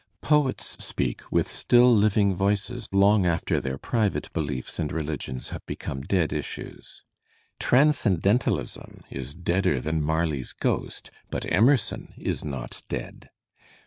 Poets speak with still living voices long after their private beliefs and religions have become dead issues. Transcendentalism is deader than Marley's ghost, but Emerson is not dead.